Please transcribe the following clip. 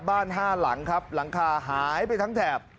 ห้าหลังครับหลังคาหายไปทั้งแถบ